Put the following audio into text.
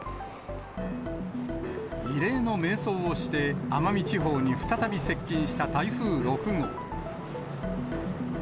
異例の迷走をして、奄美地方に再び接近した台風６号。